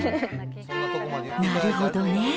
なるほどね。